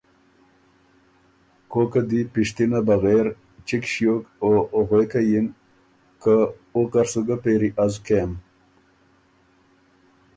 کوکه دی پِشتنه بغېر چِګ ݭیوک او غوېکه یِن که”او کر سُو ګۀ پېری از کېم“